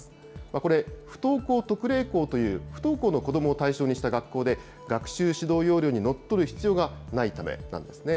これ、不登校特例校という、不登校の子どもを対象にした学校で、学習指導要領にのっとる必要がないためなんですね。